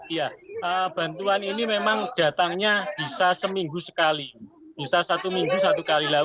iya bantuan ini memang datangnya bisa seminggu sekali bisa satu minggu satu kali